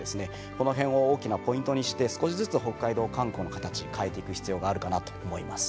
この辺を大きなポイントにして少しずつ北海道観光の形変えていく必要があるかなと思います。